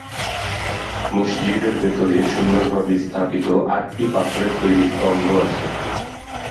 মসজিদের ভেতরে সুন্দরভাবে স্থাপিত আটটি পাথরের তৈরি স্তম্ভ আছে।